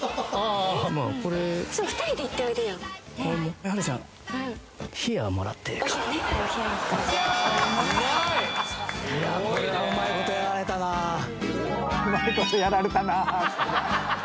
「これはうまいことやられたなぁ」